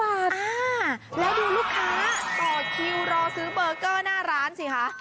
อ่าแล้วดูลูกค้าต่อคิวรอซื้อเบอร์เกอร์หน้าร้านสิคะ